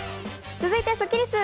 続いてスッキりす。